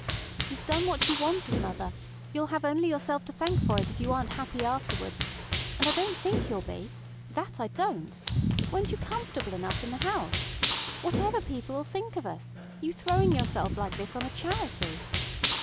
"You've done what you wanted, mother. You'll have only yourself to thank for it if you aren't happy afterwards. And I don't think you'll be. That I don't. Weren't you comfortable enough in the house? Whatever people'll think of us—you throwing yourself like this on a Charity?"